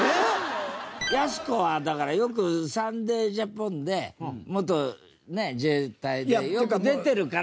やす子はだからよく『サンデー・ジャポン』で元自衛隊でよく出てるから。